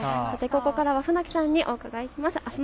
ここからは船木さんに伺います。